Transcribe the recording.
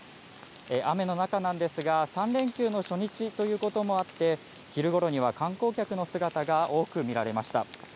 雨の中なんですが、３連休の初日ということもあって、昼ごろには観光客の姿が多く見られました。